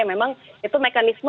memang itu mekanisme